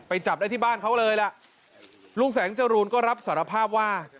จับได้ที่บ้านเขาเลยล่ะลุงแสงจรูนก็รับสารภาพว่า